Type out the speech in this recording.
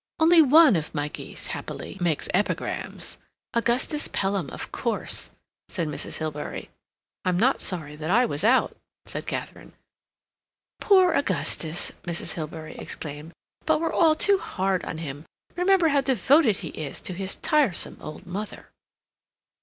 "Only one of my geese, happily, makes epigrams—Augustus Pelham, of course," said Mrs. Hilbery. "I'm not sorry that I was out," said Katharine. "Poor Augustus!" Mrs. Hilbery exclaimed. "But we're all too hard on him. Remember how devoted he is to his tiresome old mother."